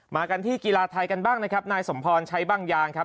มากันที่กีฬาไทยกันบ้างนะครับนายสมพรใช้บ้างยางครับ